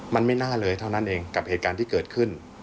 มันไม่น่าเลยเท่านั้นเองกับเหตุการณ์ที่เกิดขึ้น